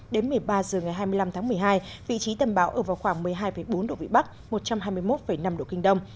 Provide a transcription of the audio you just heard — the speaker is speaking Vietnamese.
đến một mươi ba h ngày hai mươi năm tháng một mươi hai vị trí tâm bão ở vào khoảng một mươi hai bốn độ vĩ bắc một trăm hai mươi một năm độ kinh đông